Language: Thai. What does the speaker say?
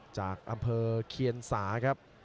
จากอำเภอเคียนสาครับ